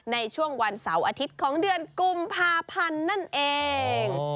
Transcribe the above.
ในช่วงวันเสาร์อาทิตย์ของเดือนกุมภาพันธ์นั่นเอง